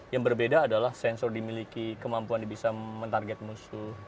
yang berbeda adalah sensor dimiliki kemampuan bisa mentarget musuh